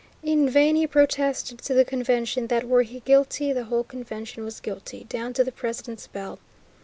In vain he protested to the Convention that, were he guilty, the whole Convention was guilty, "down to the President's bell."